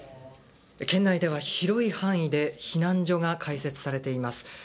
県内では広い範囲で避難所が開設されています。